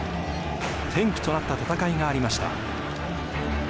転機となった戦いがありました。